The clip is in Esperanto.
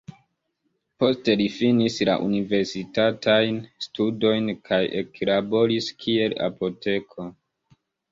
Poste li finis la universitatajn studojn kaj eklaboris kiel apoteko.